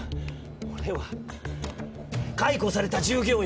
俺は解雇された従業員の